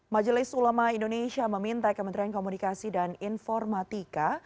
majelis ulama indonesia meminta kementerian komunikasi dan informatika